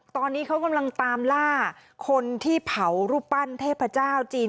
ตอนนี้เขากำลังตามล่าคนที่เผารูปปั้นเทพเจ้าจีน